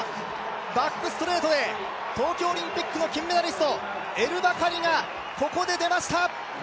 バックストレートで東京オリンピックの金メダリストエル・バカリが、ここで出ました！